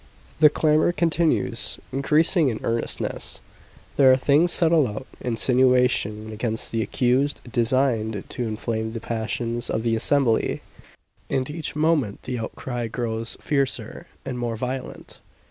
The clamour continues, increasing in earnestness. There are things said aloud insinuations against the accused designed to inflame the passions of the assembly; and each moment the outcry grows fiercer and more virulent.